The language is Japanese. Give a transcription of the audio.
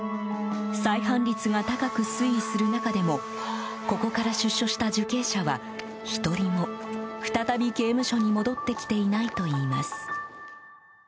再犯率が高く推移する中でもここから出所した受刑者は１人も、再び刑務所に戻ってきていないといいます。